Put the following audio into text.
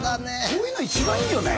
こういうの一番いいよね